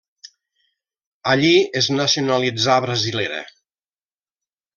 Allí es nacionalitzà brasilera.